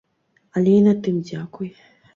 Але і на тым дзякуй!